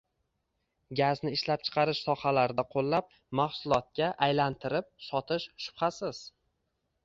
Gazni ishlab chiqarish sohalarida qo‘llab, mahsulotga «aylantirib» sotish shubhasiz